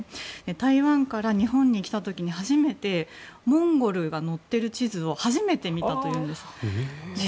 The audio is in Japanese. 台湾から日本に来た時にモンゴルが載ってる地図を初めて見たというんです。